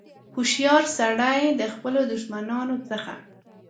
هوښیار سړي د خپلو دښمنانو څخه.